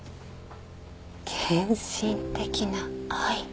献身的な愛。